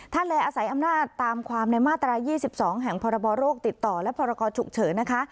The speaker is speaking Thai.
เลยอาศัยอำนาจตามความในมาตรา๒๒แห่งพรบโรคติดต่อและพรกรฉุกเฉินนะคะ